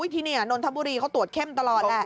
ที่นี่นนทบุรีเขาตรวจเข้มตลอดแหละ